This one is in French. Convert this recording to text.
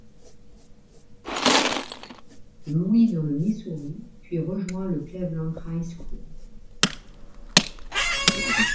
Louis dans le Missouri, puis rejoint le Cleveland High School.